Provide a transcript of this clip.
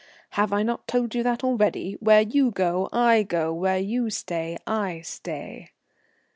Have I not told you that already? Where you go I go, where you stay I stay."